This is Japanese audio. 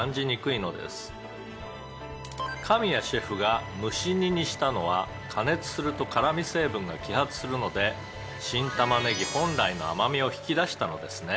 「神谷シェフが蒸し煮にしたのは加熱すると辛み成分が揮発するので新たまねぎ本来の甘みを引き出したのですね」